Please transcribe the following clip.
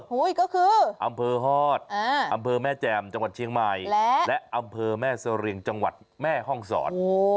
ก็คืออำเภอฮอตอำเภอแม่แจ่มจังหวัดเชียงใหม่และอำเภอแม่เสรียงจังหวัดแม่ห้องศร